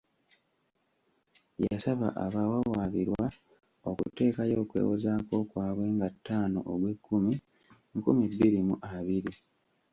Yasaba abawawaabirwa okuteekayo okwewozaako kwabwe nga ttaano Ogwekkumi, nkumi bbiri mu abiri.